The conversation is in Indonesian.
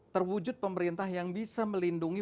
terwujud pemerintah yang bisa melindungi